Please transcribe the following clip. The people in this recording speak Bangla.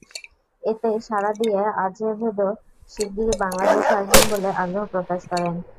এতে সাড়া দিয়ে আজেভেডো শিগগির বাংলাদেশে আসবেন বলে আগ্রহ প্রকাশ করেন।